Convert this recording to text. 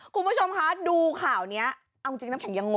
คุณผู้ชมคะดูข่าวนี้เอาจริงน้ำแข็งยังงง